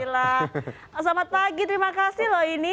oke alhamdulillah selamat pagi terima kasih loh ini